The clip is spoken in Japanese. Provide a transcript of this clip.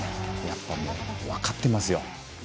やっぱり、分かってますよ。